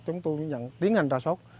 chúng tôi tiến hành ra sốt